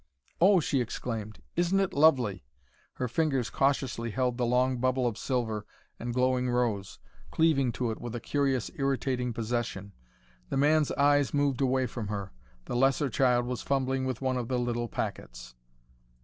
"Oh!" she exclaimed. "Isn't it LOVELY!" Her fingers cautiously held the long bubble of silver and glowing rose, cleaving to it with a curious, irritating possession. The man's eyes moved away from her. The lesser child was fumbling with one of the little packets.